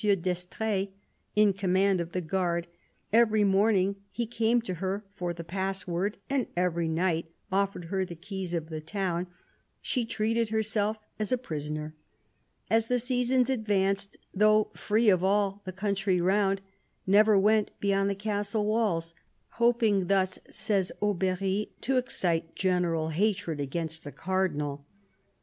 d'Estrees, in command of the guard — every morning he came to her for the pass word, and every night offered her the keys of the town — she treated herself as a prisoner. As the season advanced, though free of all the country round, she never went beyond the castle walls, hoping thus, says Aubery, to excite general hatred against the Cardinal.